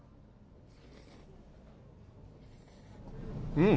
うん！